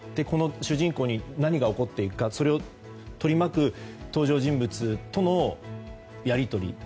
この主人公に何が起こっていくかそれを取り巻く登場人物とのやり取り。